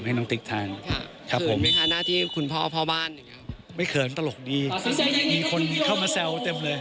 ให้น้องติ๊กทานครับผม